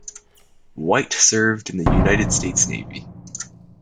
White served in the United States Navy.